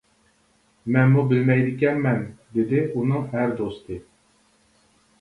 -مەنمۇ بىلمەيدىكەنمەن، -دېدى ئۇنىڭ ئەر دوستى.